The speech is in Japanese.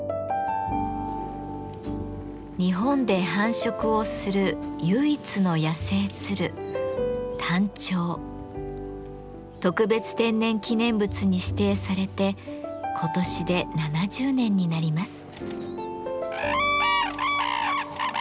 日本で繁殖をする唯一の野生鶴特別天然記念物に指定されて今年で７０年になります。